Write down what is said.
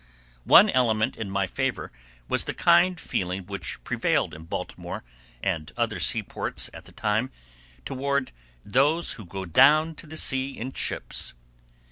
One element in my favor was the kind feeling which prevailed in Baltimore and other sea ports at the time, toward "those who go down to the sea in ships."